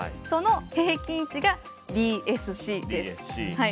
その平均値がＤＳＣです。